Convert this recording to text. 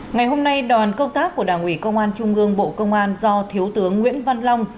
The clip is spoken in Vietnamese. ngày hôm nay đoàn công tác của đảng ủy công an trung gương bộ công an do thiếu tướng nguyễn văn long